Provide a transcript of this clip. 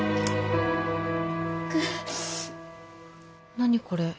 何これ？